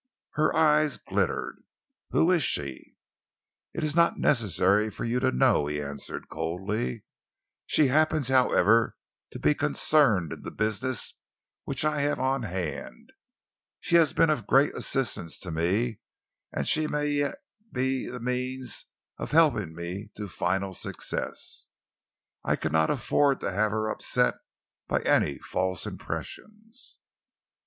Her eyes glittered. "Who is she?" "It is not necessary for you to know," he answered coldly. "She happens, however, to be concerned in the business which I have on hand. She has been of great assistance to me, and she may yet be the means of helping me to final success. I cannot afford to have her upset by any false impressions."